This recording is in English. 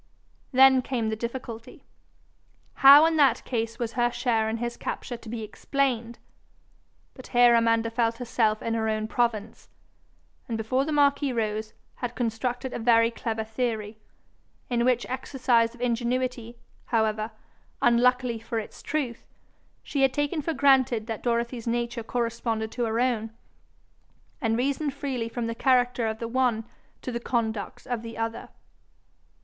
Then came the difficulty: how in that case was her share in his capture to be explained? But here Amanda felt herself in her own province, and before the marquis rose, had constructed a very clever theory, in which exercise of ingenuity, however, unluckily for its truth, she had taken for granted that Dorothy's nature corresponded to her own, and reasoned freely from the character of the one to the conduct of the other.